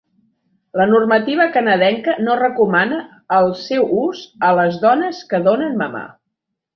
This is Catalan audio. La normativa canadenca no recomana el seu ús a les dones que donen mamar.